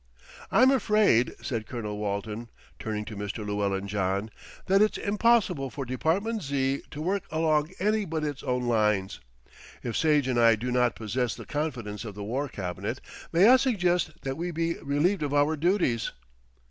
"I'm afraid," said Colonel Walton, turning to Mr. Llewellyn John, "that it's impossible for Department Z. to work along any but its own lines. If Sage and I do not possess the confidence of the War Cabinet, may I suggest that we be relieved of our duties."